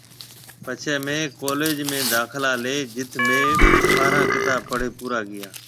پڇي مهيَ ڪولِيج ۾ داکلا لِي جٿ مهيَ ٻاره ڪتاب پڙهيَ پورا ڪيا۔